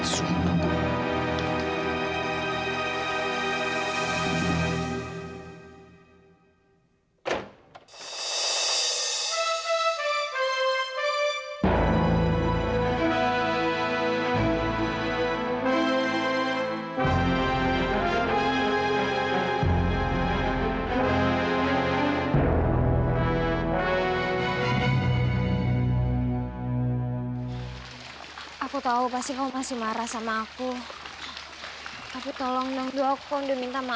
sampai jumpa di video selanjutnya